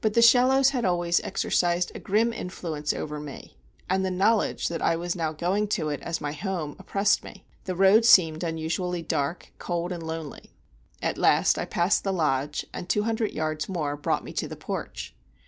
But The Shallows had always exercised a grim influence over me, and the knowledge that I was now going to it as my home oppressed me. The road seemed unusually dark, cold, and lonely. At last I passed the lodge, and two hundred yards more brought me to the porch.